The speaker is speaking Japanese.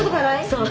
そう。